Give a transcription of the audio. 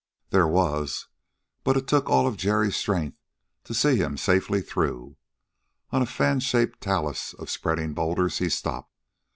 There was, but it took all of Jerry's strength to see him safely through. On a fan shaped talus of spreading boulders he stopped.